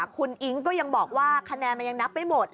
คุณอิ๊งก็ยังบอกว่าคะแนนมันยังนับไม่หมด